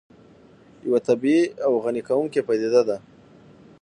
یو طبیعي او غني کوونکې پدیده ده